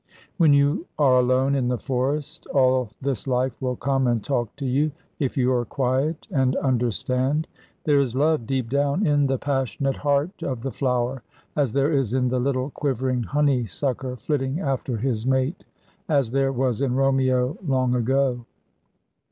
When you are alone in the forest all this life will come and talk to you, if you are quiet and understand. There is love deep down in the passionate heart of the flower, as there is in the little quivering honeysucker flitting after his mate, as there was in Romeo long ago.